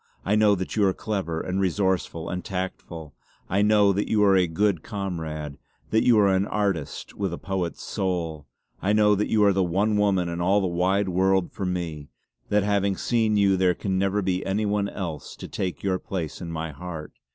I know that you are clever and resourceful and tactful. I know that you are a good comrade; that you are an artist with a poet's soul. I know that you are the one woman in all the wide world for me; that having seen you there can never be any one else to take your place in my heart.